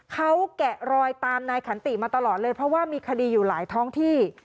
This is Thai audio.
เขาแกะรอยตามนายขันติมาตลอดเลยเพราะว่ามีคดีอยู่หลายท้องที่